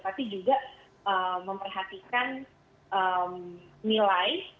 tapi juga memperhatikan nilai